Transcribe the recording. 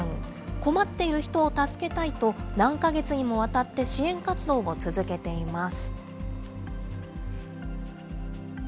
困っている人を助けたいと、何か月にもわたって支援活動を続けています。